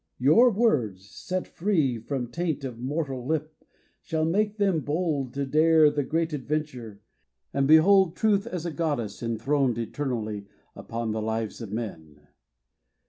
Your words, set free From taint of mortal lip, shall make them bold To dare the great adventure, and behold Truth as a goddess throned eternally Upon the lives of men.